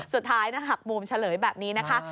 สุดท้ายหักมุมเฉลยแบบนี้นะคะ